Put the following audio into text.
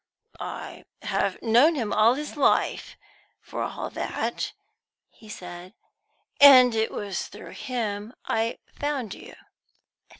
"I have known him all his life, for all that," he said. "And it was through him I found you."